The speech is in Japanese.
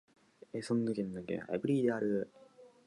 エソンヌ県の県都はエヴリーである